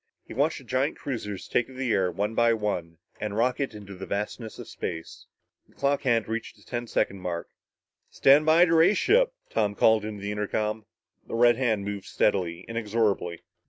He watched the giant cruisers take to the air one by one and rocket into the vastness of space. The clock hand reached the ten second mark. "Stand by to raise ship!" Tom called into the intercom. The red hand moved steadily, inexorably.